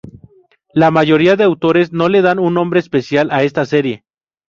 La mayoría de autores no le da un nombre especial a esta serie.